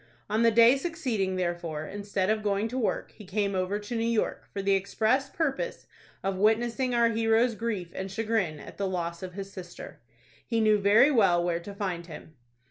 On the day succeeding, therefore, instead of going to work, he came over to New York, for the express purpose of witnessing our hero's grief and chagrin at the loss of his sister. He knew very well where to find him.